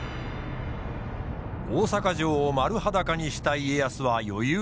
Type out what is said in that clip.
大坂城を丸裸にした家康は余裕綽々。